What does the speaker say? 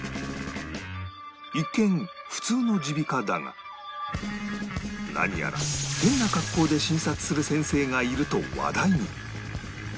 一見普通の耳鼻科だが何やら変な格好で診察する先生がいると話題に